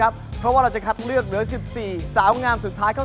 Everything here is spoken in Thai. รายการต่อไปนี้เหมาะสำหรับผู้ชมที่มีอายุ๑๓ปีควรได้รับคำแนะนำ